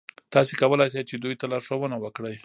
تاسې کولای شئ چې دوی ته لارښوونه وکړئ.